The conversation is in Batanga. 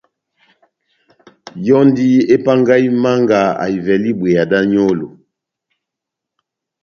Yɔndi epangahi Manga ahivɛle ibweya da nyolo